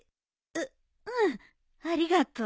ううんありがとう。